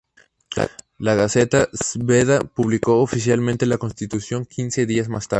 La gaceta "Zvezda" publicó oficialmente la Constitución quince días más tarde.